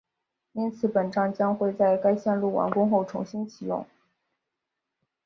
因此本站将会在该线路完工后重新启用